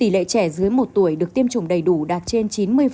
tỷ lệ trẻ dưới một tuổi được tiêm chủng đầy đủ đạt trên chín mươi